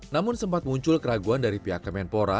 namun sempat muncul keraguan dari pihak kemenpora